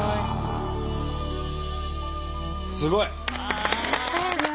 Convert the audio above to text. すごい！